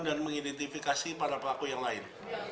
dan mengidentifikasi para pelaku yang lain